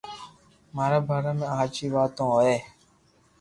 مارا باري ۾ ھاچي واتون ھوئي